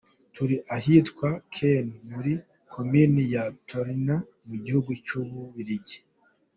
Turi ahitwa Kain muri komini ya Tournai mu gihugu cy’Ububiligi.